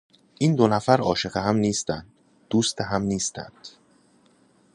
این دو نفر عاشق هم نیستند. دوست هم نیستند.